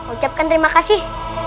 ucapkan terima kasih